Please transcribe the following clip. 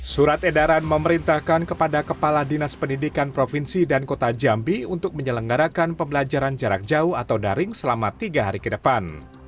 surat edaran memerintahkan kepada kepala dinas pendidikan provinsi dan kota jambi untuk menyelenggarakan pembelajaran jarak jauh atau daring selama tiga hari ke depan